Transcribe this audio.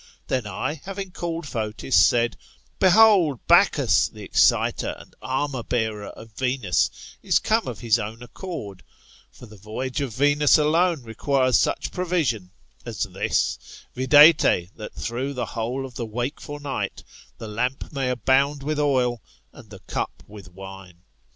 Then I, having called Fotis, said, Behold, Bacchus, the excite^ and armour bearer of Venus^ is come of his own accord. For, the voyage of Venus alone requires such provision as this ; viz. that through the whole of the wakeful night, the lamp may abound with oil, and the cup with wine.